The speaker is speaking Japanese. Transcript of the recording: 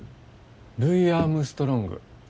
ルイ・アームストロング。